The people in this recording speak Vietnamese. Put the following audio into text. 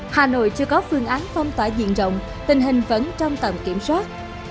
hà nội chưa có phương án phong tỏa diện rộng tình hình vẫn trong tầm kiểm soát